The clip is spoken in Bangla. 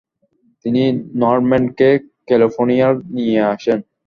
তিনি নরম্যান্ডকে ক্যালিফোর্নিয়ায় নিয়ে আসেন।